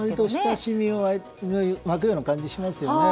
割と親しみが湧くような感じがしますよね。